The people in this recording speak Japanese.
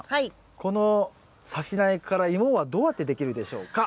このさし苗からイモはどうやってできるでしょうか？